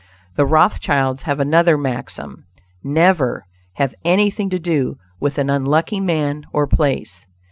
The Rothschilds have another maxim: "Never have anything to do with an unlucky man or place."